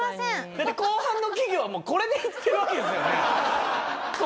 だって後半の企業はこれで行ってるわけですよね。